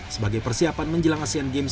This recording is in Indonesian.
sebagai persiapan menjelang asean games